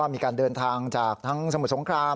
มีการเดินทางจากทั้งสมุทรสงคราม